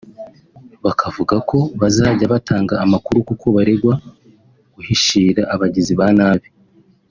bakavuga ko bazajya batanga amakuru kuko baregwa guhishira abagizi ba nabi